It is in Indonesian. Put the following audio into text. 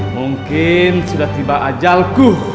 mungkin sudah tiba ajalku